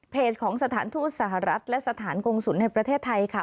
เพจของสถานทูตสหรัฐและสถานกงศูนย์ในประเทศไทย